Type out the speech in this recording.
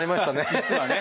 実はね。